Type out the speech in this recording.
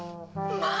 まあ！